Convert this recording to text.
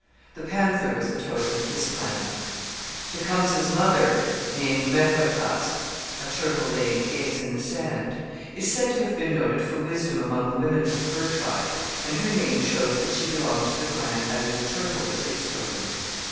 The panther was the totem of his clan. Tecumseh's mother, named Methoataske ('a turtle laying eggs in the sand'), is said to have been noted for wisdom among the women of her tribe, and her name shows that she belonged to the clan having the turtle as its totem.